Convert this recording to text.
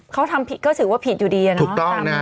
เขาทำผิดก็ถือว่าผิดอยู่ดีอะเนาะ